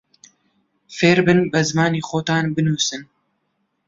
فێربن بە زمانی خۆتان بنووسن